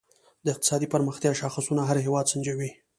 د اقتصادي پرمختیا شاخصونه هر هېواد سنجوي.